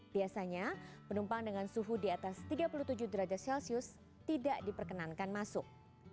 biasanya penumpang dengan suhu di atas tiga puluh tujuh derajat celcius tidak diperkenankan masuk